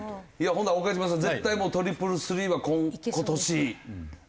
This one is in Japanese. ほんなら岡島さん絶対もうトリプルスリーは今年。